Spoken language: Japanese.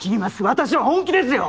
私は本気ですよ！